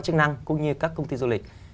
chức năng cũng như các công ty du lịch